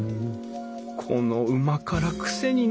このうま辛クセになる！